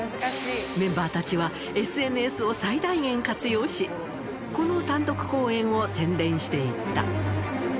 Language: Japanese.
メンバーたちはＳＮＳを最大限活用し、この単独公演を宣伝していった。